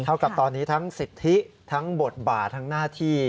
เท่ากับตอนนี้ทั้งสิทธิทั้งบทบาททั้งหน้าที่